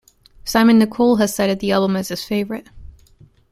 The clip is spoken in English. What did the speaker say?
Simon Nicol has cited the album as his favourite.